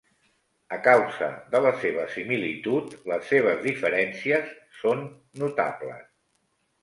A causa de la seva similitud, les seves diferències són notables.